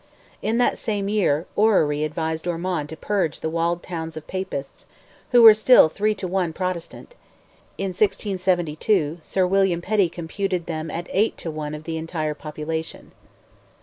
In that same year, Orrery advised Ormond to purge the walled towns of Papists, who were still "three to one Protestant;" in 1672, Sir William Petty computed them at "eight to one" of the entire population.